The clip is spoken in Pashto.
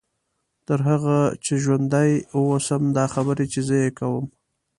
تر هغه چې زه ژوندۍ واوسم دا خبرې چې زه یې کوم.